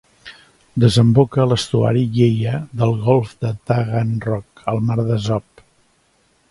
Desemboca a l'estuari Yeya del golf de Taganrog, al mar d'Azov.